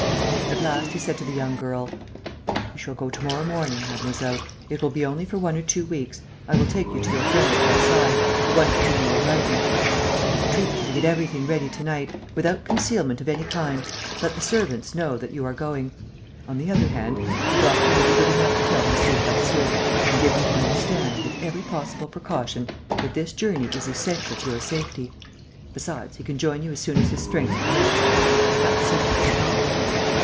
At last, he said to the young girl: "You shall go to morrow morning, mademoiselle. It will be only for one or two weeks. I will take you to your friend at Versailles, the one to whom you were writing. I entreat you to get everything ready to night ... without concealment of any kind. Let the servants know that you are going.... On the other hand, the doctor will be good enough to tell M. Darcieux and give him to understand, with every possible precaution, that this journey is essential to your safety. Besides, he can join you as soon as his strength permits.... That's settled, is it not?"